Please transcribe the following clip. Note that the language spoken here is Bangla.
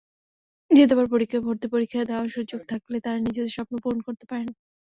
দ্বিতীয়বার ভর্তি পরীক্ষা দেওয়ার সুযোগ থাকলে তারা নিজেদের স্বপ্ন পূরণ করতে পারেন।